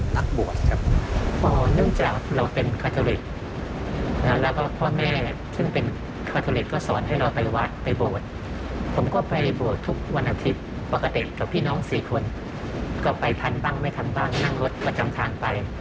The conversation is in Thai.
แล้วก็ไปทานบ้างไม่ทานบ้างขังรถประจำทางไป